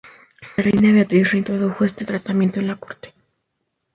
La reina Beatriz reintrodujo este tratamiento en la Corte.